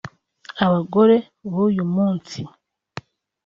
“Abagore b’uyu munsi